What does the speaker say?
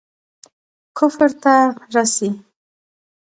کفر ته رسي.